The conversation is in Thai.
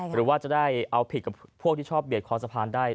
หรือว่าจะได้เอาผิดกับพวกที่ชอบเบียดคอสะพานได้